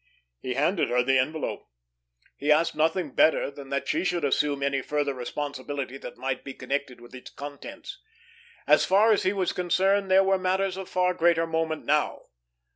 He handed her the envelope. He asked nothing better than that she should assume any further responsibility that might be connected with its contents. As far as he was concerned there were matters of far greater moment now.